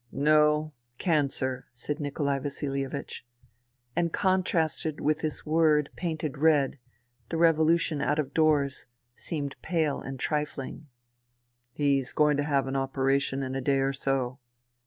" No — cancer," said Nikolai Vasilievich. And contrasted with this word painted red, the revolution out of doors seemed pale and trifling. " He is going to have an operation in a day or so."